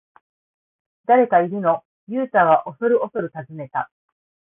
「誰かいるの？」ユウタはおそるおそる尋ねた。